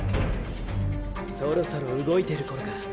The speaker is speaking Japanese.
そろそろ動いてる頃か。